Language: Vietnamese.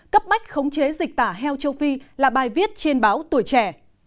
cấp bách khống chế dịch tả heo châu phi là bài viết trên báo tuổi trẻ